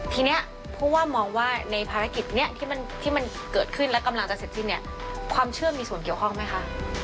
ทีนี้ผู้ว่ามองว่าในภารกิจนี้ที่มันเกิดขึ้นและกำลังจะเสร็จสิ้นเนี่ยความเชื่อมีส่วนเกี่ยวข้องไหมคะ